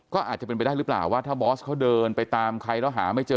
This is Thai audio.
ก็อาจจะเป็นไปได้หรือเปล่าว่าถ้าบอสเขาเดินไปตามใครแล้วหาไม่เจอ